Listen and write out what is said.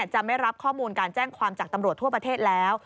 จะไม่รับข้อมูลการแจ้งความจากตำรวจทั่วประเทศแล้ว